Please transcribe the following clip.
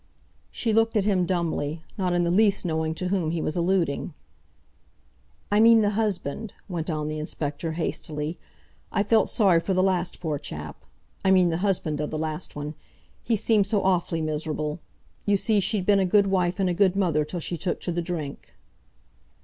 She looked at him dumbly; not in the least knowing to whom he was alluding. "I mean the husband," went on the inspector hastily. "I felt sorry for the last poor chap—I mean the husband of the last one—he seemed so awfully miserable. You see, she'd been a good wife and a good mother till she took to the drink."